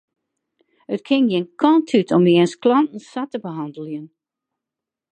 It kin gjin kant út om jins klanten sa te behanneljen.